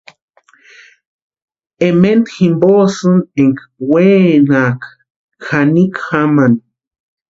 Ementa jimposïni énka wenakʼa janikwa jamani.